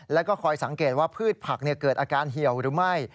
แล้วก็คอยสังเกตว่าพืชผักเกิดอาการเหี่ยวหรือไม่